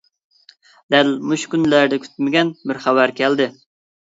دەل مۇشۇ كۈنلەردە كۈتمىگەن بىر خەۋەر كەلدى.